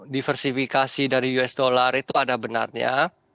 diversifikasi dari usd itu ada benarnya